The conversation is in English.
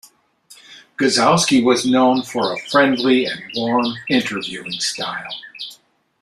Gzowski was known for a friendly and warm interviewing style.